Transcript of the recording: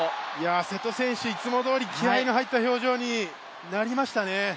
瀬戸選手、いつもどおり気合いが入った表情になりましたね。